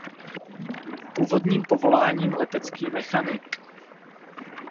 Původním povoláním letecký mechanik.